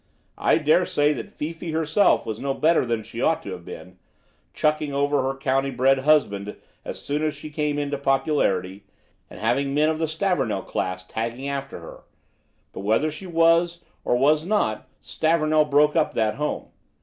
I dare say that Fifi herself was no better than she ought to have been, chucking over her country bred husband as soon as she came into popularity, and having men of the Stavornell class tagging after her; but whether she was or was not, Stavornell broke up that home.